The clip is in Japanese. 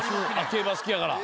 競馬好きやから。